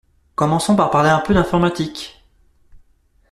Commençons par parler un peu d’informatique...